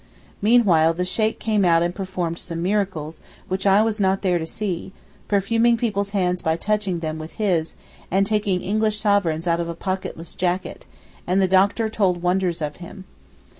Meanwhile the Sheykh came out and performed some miracles, which I was not there to see, perfuming people's hands by touching them with his, and taking English sovereigns out of a pocketless jacket, and the doctor told wonders of him.